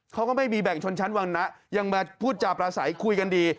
เขาก็ไม่มีแบ่งชนชั้นวังนะยังมาพูดจาปราศัยคุยกันดี